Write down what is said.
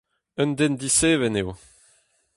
Un den diseven eo !